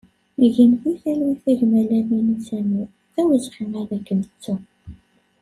Gen di talwit a gma Lamini Samir, d awezɣi ad k-nettu!